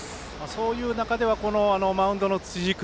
そういう中ではこのマウンドの辻井君。